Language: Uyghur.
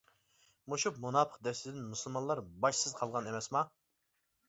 مۇشۇ مۇناپىق دەستىدىن مۇسۇلمانلار باشسىز قالغان ئەمەسما!